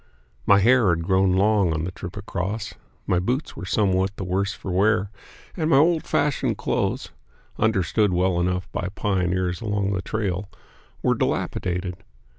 My hair had grown long on the trip across; my boots were somewhat the worse for wear, and my old fashioned clothes (understood well enough by pioneers along the trail) were dilapidated.